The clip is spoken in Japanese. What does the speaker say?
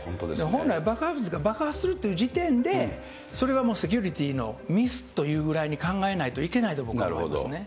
本来、爆発物が爆発するという時点で、それはもう、セキュリティーのミスというぐらいに考えないといけないと僕は思いますね。